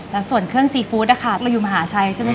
แล้วส่วนเครื่องซีฟู้ดนะคะเราอยู่มหาชัยใช่ไหมค